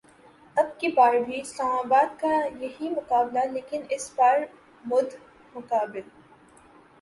اب کی بار بھی اسلام آباد کا ہی مقابلہ ہے لیکن اس بار مدمقابل